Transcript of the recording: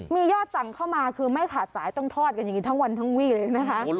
มียอดสั่งเข้ามาคือไม่ขาดสายต้องทอดกันอย่างนี้ทั้งวันทั้งวี่เลยนะคะ